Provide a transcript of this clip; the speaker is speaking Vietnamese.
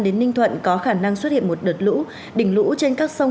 đến ninh thuận có khả năng xuất hiện một đợt lũ đỉnh lũ trên các sông